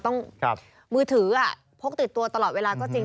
มือถือพกติดตัวตลอดเวลาก็จริง